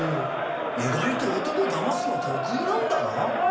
意外と男騙すの得意なんだな。